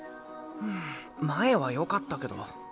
うん前はよかったけど。